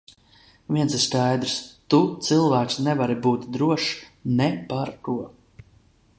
Viens ir skaidrs – tu cilvēks nevari būt drošs ne par ko.